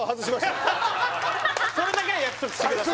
それだけは約束してください